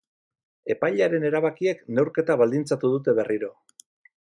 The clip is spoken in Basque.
Epailearen erabakiek neurketa baldintzatu dute berriro.